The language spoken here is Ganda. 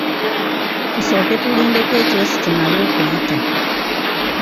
Tusooke tulindeko ekyosi kimale okuyita.